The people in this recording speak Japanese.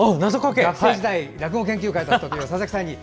学生時代、落語研究会だった佐々木さんに。